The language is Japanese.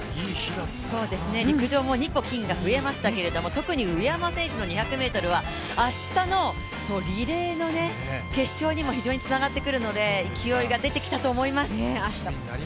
特に上山選手の２００ｍは明日のリレーの決勝にも非常につながってくるので勢いが出てきたと思います。